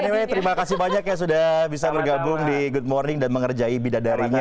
bw terima kasih banyak ya sudah bisa bergabung di good morning dan mengerjai bidadarinya